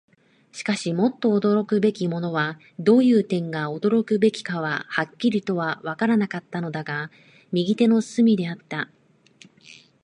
しかし、もっと驚くべきものは、どういう点が驚くべきかははっきりとはわからなかったのだが、右手の隅であった。